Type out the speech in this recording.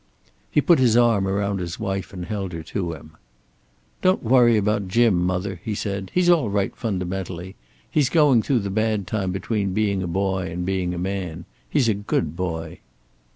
He put his arm around his wife and held her to him. "Don't worry about Jim, mother," he said. "He's all right fundamentally. He's going through the bad time between being a boy and being a man. He's a good boy."